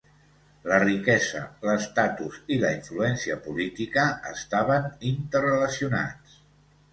La riquesa, l'estatus i la influència política estaven interrelacionats.